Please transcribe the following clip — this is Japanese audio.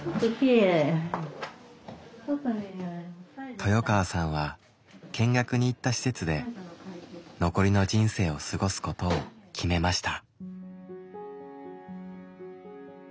豊川さんは見学に行った施設で残りの人生を過ごすことを決めました。